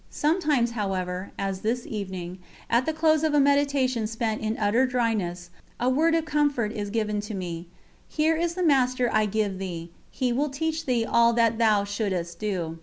Sometimes, however, as this evening, at the close of a meditation spent in utter dryness, a word of comfort is given to me: "Here is the Master I give thee, He will teach thee all that thou shouldst do.